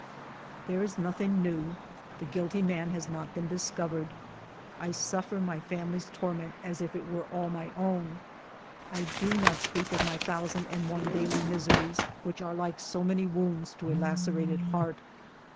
There is nothing new. The guilty man has not been discovered ; I suffer my family's tor ment as if it were all my own. I do not speak of my thousand and one daily miseries, which are like so many wounds to a lacerated heart.